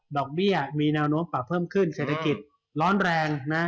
เบี้ยมีแนวโน้มปรับเพิ่มขึ้นเศรษฐกิจร้อนแรงนะ